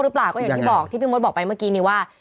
หรือเปล่าก็อย่างที่บอกที่พี่มดบอกไปเมื่อกี้นี้ว่า